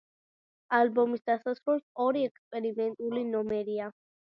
ალბომის დასასრულს ორი ექსპერიმენტული ნომერია.